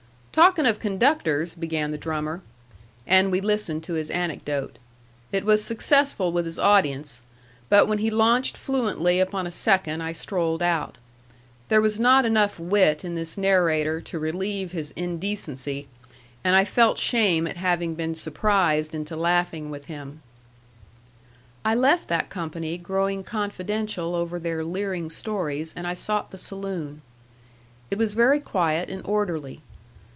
"Talking of conductors," began the drummer. And we listened to his anecdote. It was successful with his audience; but when he launched fluently upon a second I strolled out. There was not enough wit in this narrator to relieve his indecency, and I felt shame at having been surprised into laughing with him. I left that company growing confidential over their leering stories, and I sought the saloon. It was very quiet and orderly.